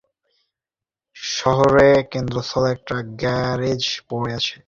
শহরের কেন্দ্রস্থলের একটা গ্যারেজে পড়ে আছে।